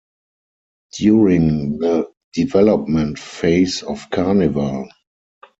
During the development phase of Carnival!